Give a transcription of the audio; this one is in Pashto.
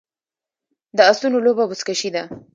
د اسونو لوبه بزکشي ده